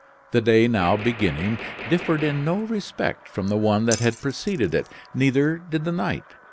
The day now beginning differed in no respect from the one that had preceded it, neither did the night.